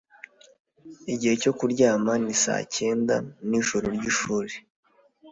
igihe cyo kuryama ni saa cyenda nijoro ryishuri